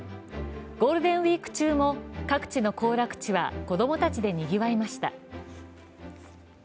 ゴールデンウイーク中も各地の行楽地は子供たちでにぎわいました。